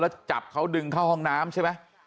แล้วจับเขาดึงเข้าห้องน้ำใช่ไหม